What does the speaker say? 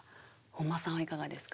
本間さんはいかがですか？